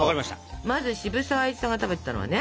まず渋沢栄一さんが食べてたのはね